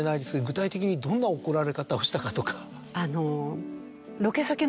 具体的にどんな怒られ方をしたかとか。